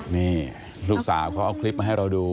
นี่ลูกสาวเขาเอาคลิปมาให้เราดู